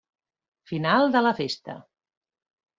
Final de la festa.